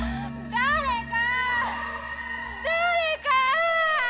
誰か！